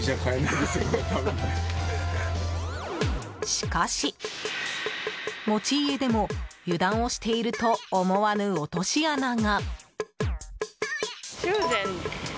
しかし、持ち家でも油断をしていると思わぬ落とし穴が。